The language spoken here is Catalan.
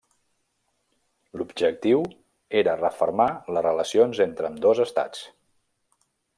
L'Objectiu era refermar les relacions entre ambdós estats.